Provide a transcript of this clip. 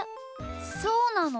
そうなの？